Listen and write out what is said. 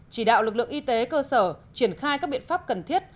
chỉ đạo lực lượng y tế cơ sở triển khai các biện pháp cần thiết